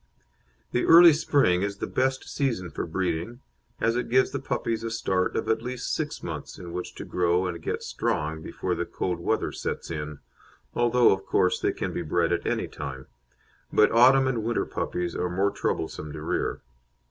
The early spring is the best season for breeding, as it gives the puppies a start of at least six months in which to grow and get strong before the cold weather sets in, although, of course, they can be bred at any time, but autumn and winter puppies are more troublesome to rear.